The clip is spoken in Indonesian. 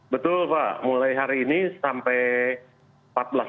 betul pak mulai hari ini sampai